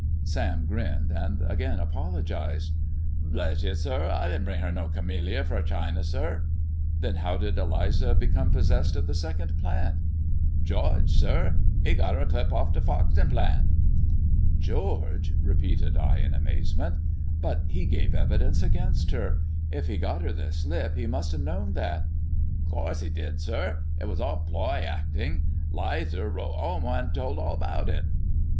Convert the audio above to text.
Sam grinned, and again apologized. " Bless y', sir, I didn't bring no camelliar fro' Chiner, Sir. "Then how did Eliza become possessed of the second plant ]"" George, sir ; 'e got 'cr a slip off t' Foxton plant." 332 THE RAINBOW CAMELLIA George 1 '' repeated I in amazement ;^* but he gave evidence against her. If he got her the slip he must have known that "" 'Course 'e did, sir. It was all ploy actin\ 'Lizer wrote 'ome an' told all about it."